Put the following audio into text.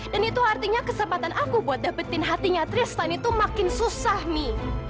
dan itu artinya kesempatan aku buat dapetin hatinya tristan itu makin susah mi